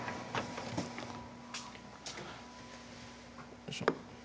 よいしょ